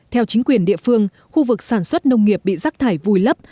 theo chính quyền địa phương khu vực sản xuất nông nghiệp bị rác thải vùi lấp